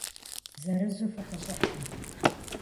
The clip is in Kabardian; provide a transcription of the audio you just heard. Зырызу фыкъыщӏыхьэ.